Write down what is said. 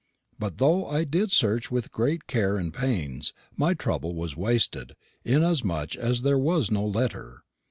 But though I did search with great care and pains, my trouble was wasted, inasmuch as there was no letter.